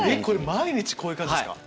毎日こういう感じですか？